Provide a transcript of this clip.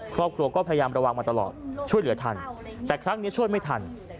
ครอบครัวก็พยายามระวังมาตลอดช่วยเหลือทันแต่ครั้งนี้ช่วยไม่ทัน